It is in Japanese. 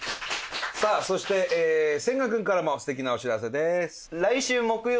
さあそして千賀君からも素敵なお知らせです。